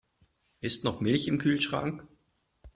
Ist noch Milch im Kühlschrank?